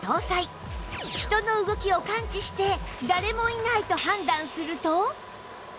人の動きを感知して誰もいないと判断すると